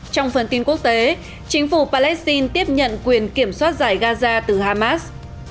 trong phần tin quốc tế chính phủ palestine tiếp nhận quyền kiểm soát giải gaza từ hamas